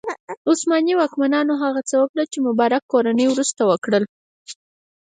عثماني واکمنانو هغه څه وکړل چې مبارک کورنۍ وروسته وکړل.